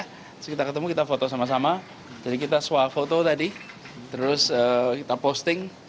terus kita ketemu kita foto sama sama jadi kita swap foto tadi terus kita posting